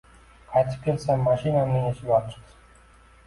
Qaytib kelsam, mashinamning eshigi ochiq.